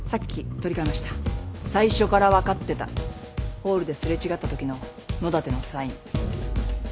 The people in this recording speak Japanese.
ホールで擦れ違ったときの野立のサイン。